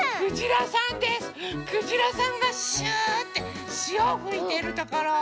くじらさんがシューッてしおふいてるところ。